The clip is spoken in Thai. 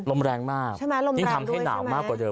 ลมแรงมากยิ่งทำให้หนาวมากกว่าเดิม